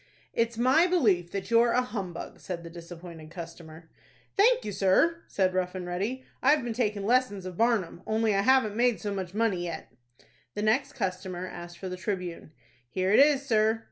"It's my belief that you're a humbug," said the disappointed customer. "Thank you, sir," said Rough and Ready; "I've been takin' lessons of Barnum, only I haven't made so much money yet." The next customer asked for the "Tribune." "Here it is, sir."